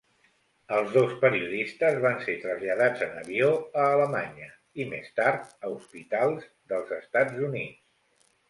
Els dos periodistes van ser traslladats en avió a Alemanya i més tard a hospitals dels Estats Units.